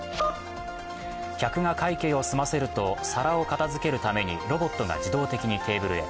客が会計を済ませると皿を片づけるためにロボットが自動的にテーブルへ。